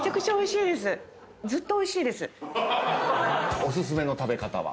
お薦めの食べ方は？